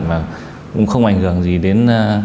và cũng không ảnh hưởng gì đến